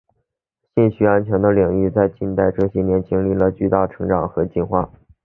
信息安全的领域在最近这些年经历了巨大的成长和进化。